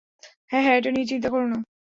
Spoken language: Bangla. হ্যাঁ, হ্যাঁ, এটা নিয়ে চিন্তা করো না।